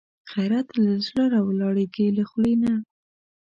غیرت له زړه راولاړېږي، له خولې نه